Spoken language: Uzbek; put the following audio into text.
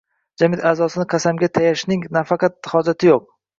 jamiyat a’zosini qasamga tayashning nafaqat hojati yo‘q